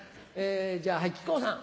じゃあ木久扇さん。